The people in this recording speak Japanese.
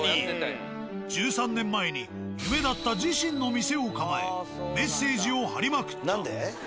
１３年前に夢だった自身の店を構えメッセージを貼りまくった。